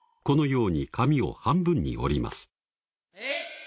このように紙を半分に折ります。